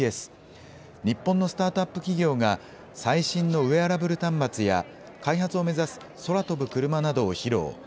日本のスタートアップ企業が最新のウエアラブル端末や開発を目指す空飛ぶ車などを披露。